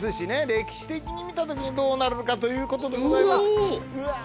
歴史的に見た時にどうなるのかということでございますうわ！